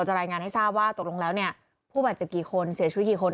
รายงานให้ทราบว่าตกลงแล้วเนี่ยผู้บาดเจ็บกี่คนเสียชีวิตกี่คน